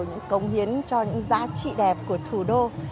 những cống hiến cho những giá trị đẹp của thủ đô